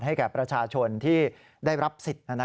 แก่ประชาชนที่ได้รับสิทธิ์